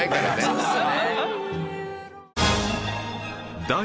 そうですか。